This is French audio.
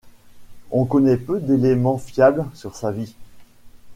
On connaît peu d'éléments fiables sur sa vie.